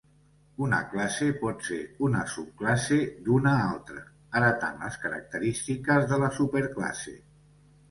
Una classe pot ser una subclasse d'una altra, heretant les característiques de la superclasse.